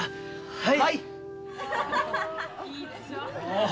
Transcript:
はい。